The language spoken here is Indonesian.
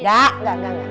enggak enggak enggak enggak